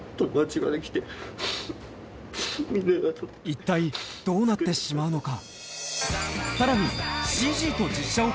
一体どうなってしまうのか？